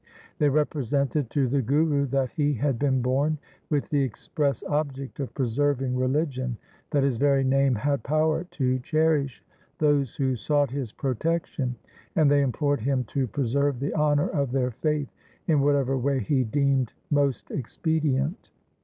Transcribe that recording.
They represented to the Guru that he had been born with the express object of preserving religion, that his very name had power to cherish those who sought his protection ; and they implored him to preserve the honour of their faith in whatever way he deemed most expedient.